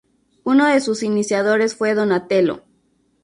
Uno de sus iniciadores fue Donatello.